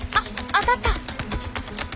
当たった。